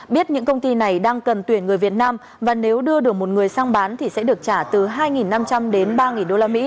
biết những công ty này đang cần tuyển người việt nam và nếu đưa được một người sang bán thì sẽ được trả từ hai năm trăm linh đến ba usd